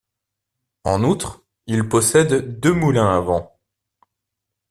En outre, il possède deux moulins à vent.